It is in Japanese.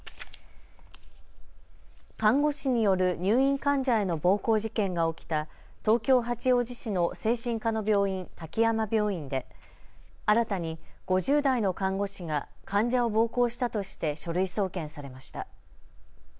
看護師による入院患者への暴行事件が起きた東京八王子市の精神科の病院、滝山病院で新たに５０代の看護師が患者を暴行したとして書類送検されました。